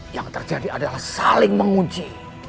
yang terjadi adalah saling menguji